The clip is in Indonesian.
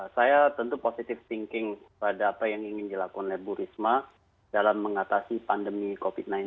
saya tentu positif thinking pada apa yang ingin dilakukan oleh bu risma dalam mengatasi pandemi covid sembilan belas